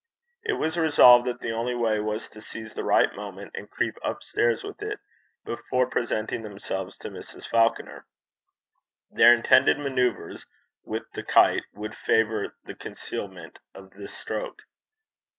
It was resolved that the only way was to seize the right moment, and creep upstairs with it before presenting themselves to Mrs. Falconer. Their intended manoeuvres with the kite would favour the concealment of this stroke.